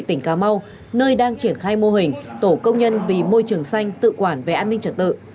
tỉnh cà mau nơi đang triển khai mô hình tổ công nhân vì môi trường xanh tự quản về an ninh trật tự